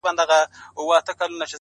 هره موخه تمرکز او نظم غواړي!